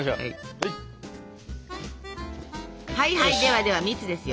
はいはいではでは蜜ですよ。